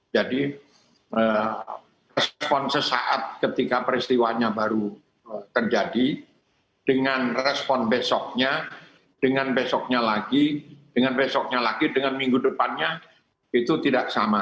jadi respon sesaat ketika peristiwanya baru terjadi dengan respon besoknya dengan besoknya lagi dengan besoknya lagi dengan minggu depannya itu tidak sama